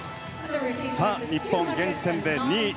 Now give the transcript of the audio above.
さあ、日本は現時点で２位。